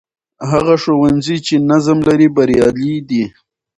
هغه ښوونځی چې نظم لري، بریالی دی.